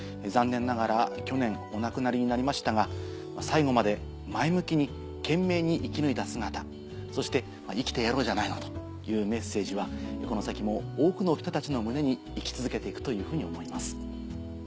残念ながら去年お亡くなりになりましたが最後まで前向きに懸命に生き抜いた姿そして「生きてやろうじゃないの」というメッセージはこの先も多くの人たちの胸に生き続けて行くというふうに思います。